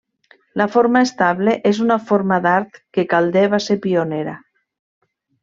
La forma estable és una forma d'art que Calder va ser pionera.